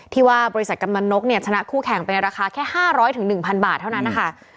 ที่ว่าบริษัทกำนันนกเนี่ยชนะคู่แข่งไปในราคาแค่๕๐๐๑๐๐บาทเท่านั้นนะคะ